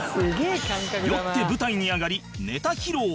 酔って舞台に上がりネタ披露